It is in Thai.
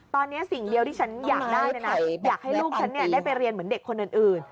ตอนนี้สิ่งเดียวที่ฉันอยากได้เลยนะอยากให้ลูกฉันได้ไปเรียนเหมือนเด็กคนอื่น